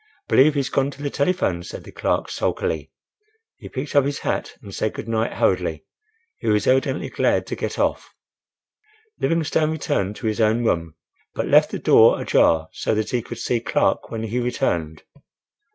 "Believe he's gone to the telephone," said the clerk, sulkily. He picked up his hat and said good night hurriedly. He was evidently glad to get off. Livingstone returned to his own room; but left the door ajar so that he could see Clark when he returned.